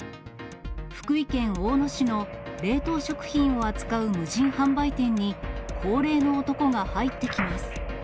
福井県大野市の冷凍食品を扱う無人販売店に、高齢の男が入ってきます。